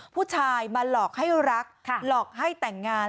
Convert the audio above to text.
ผู้ชายมาหลอกให้รักหลอกให้แต่งงาน